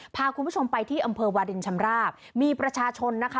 พาคุณผู้ชมไปที่อำเภอวาดินชำราบมีประชาชนนะคะ